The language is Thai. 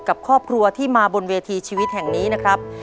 กับครอบครัวที่มาบนเวทีชีวิตแห่งนี้นะครับ